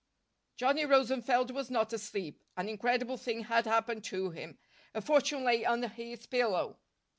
Johnny Rosenfeld was not asleep. An incredible thing had happened to him. A fortune lay under his pillow.